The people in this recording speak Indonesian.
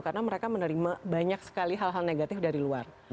karena mereka menerima banyak sekali hal hal negatif dari luar